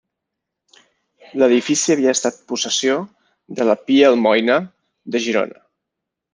L'edifici havia estat possessió de la Pia Almoina de Girona.